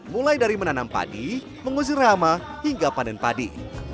mulai dari menanam padi mengusir rama hingga panen padi